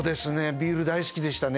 ビール大好きでしたね